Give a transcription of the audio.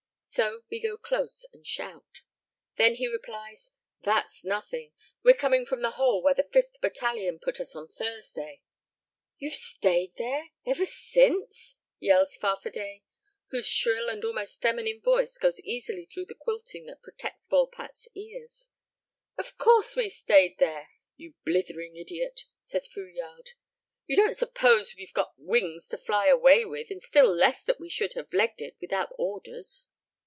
So we go close and shout. Then he replies, "That's nothing; we're coming from the hole where the 5th Battalion put us on Thursday." "You've stayed there ever since?" yells Farfadet, whose shrill and almost feminine voice goes easily through the quilting that protects Volpatte's ears. "Of course we stayed there, you blithering idiot!" says Fouillade. "You don't suppose we'd got wings to fly away with, and still less that we should have legged it without orders?"